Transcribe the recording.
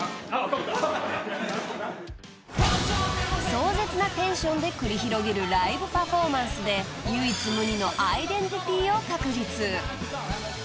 ［壮絶なテンションで繰り広げるライブパフォーマンスで唯一無二のアイデンティティーを確立］